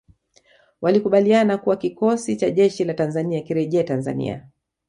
Walikubaliana kuwa kikosi cha jeshi la Tanzania kirejee Tanzania